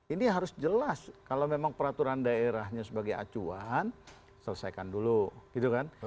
ini harus jelas kalau memang peraturan daerahnya sebagai acuan selesaikan dulu gitu kan